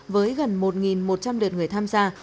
với gần một một trăm linh đợt người tham gia